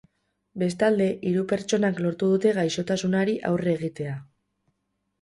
Bestalde, hiru pertsonak lortu dute gaixotasunari aurre egitea.